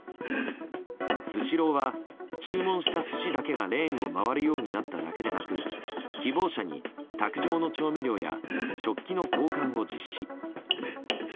スシローは注文した寿司だけがレーンを回るようになっただけでなく希望者に、卓上の調味料や食器の交換を実施。